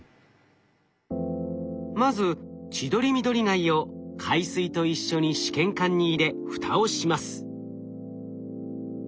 まずチドリミドリガイを海水と一緒に試験管に入れ蓋をします。